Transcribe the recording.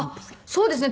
そうですね。